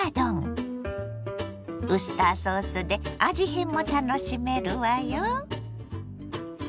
ウスターソースで味変も楽しめるわよ。